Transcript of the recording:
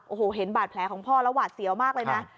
โอ้โหเห็นบาดแผลของพ่อแล้วหวาดเสียวมากเลยนะ